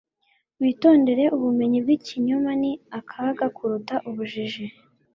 witondere ubumenyi bw'ikinyoma; ni akaga kuruta ubujiji.